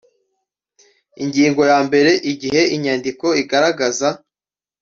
Ingingo ya mbeere Igihe inyandiko igaragaza